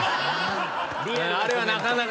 あれはなかなか。